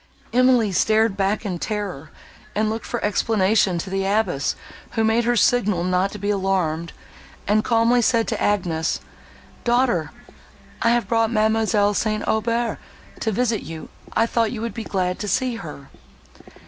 Emily started back in terror, and looked for explanation to the abbess, who made her a signal not to be alarmed, and calmly said to Agnes, "Daughter, I have brought Mademoiselle St. Aubert to visit you: I thought you would be glad to see her."